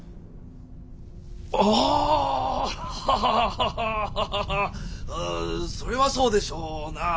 ああっハハハ！それはそうでしょうなあ。